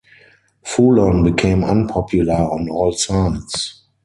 Foullon became unpopular on all sides.